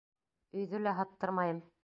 Өйҙө лә һаттырмайым!